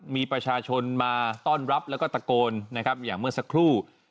มีประชาชนมาต้อนรับแล้วก็ตะโกนนะครับอย่างเมื่อสักครู่